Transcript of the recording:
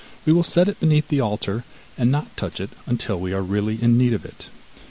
We will set it beneath the altar, and not touch it until we are really in need of it.